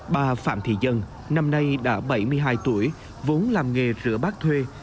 bà phạm thị dân năm nay đã bảy mươi hai tuổi vốn làm nghề rửa bát thuê